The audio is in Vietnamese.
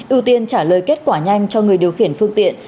ưu tiên trả lời kết quả nhanh cho người điều khiển phương tiện